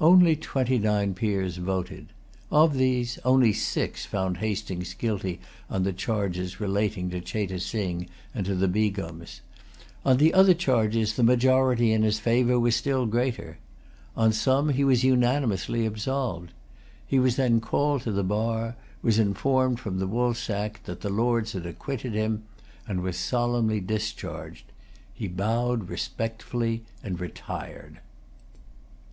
Only twenty nine Peers voted. Of these only six found Hastings guilty on the charges relating to Cheyte Sing and to the Begums. On other charges, the majority in his favor was still greater. On some, he was unanimously absolved. He was then called to the bar, was informed from the woolsack that the Lords had acquitted him, and was solemnly discharged. He bowed respectfully and retired.